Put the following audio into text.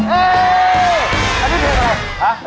เฮ่ย